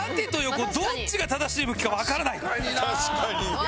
確かにな。